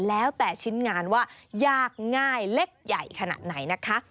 แล้วแต่ชิ้นงานว่ายากง่ายเล็กใหญ่ขนาดไหนนะคะ